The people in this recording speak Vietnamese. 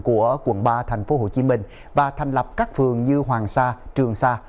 của quận ba tp hcm và thành lập các phường như hoàng sa trường sa